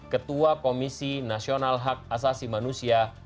ketua komisi nasional hak asasi manusia